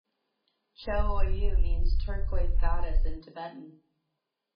Cho Oyu means "Turquoise Goddess" in Tibetan.